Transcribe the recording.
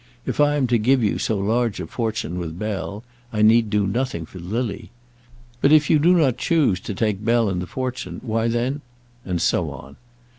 If I am to give you so large a fortune with Bell, I need do nothing for Lily. But if you do not choose to take Bell and the fortune, why then " And so on.